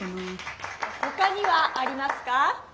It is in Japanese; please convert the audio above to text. ほかにはありますか？